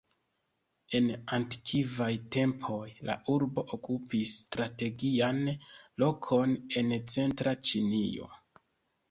En antikvaj tempoj la urbo okupis strategian lokon en centra Ĉinio.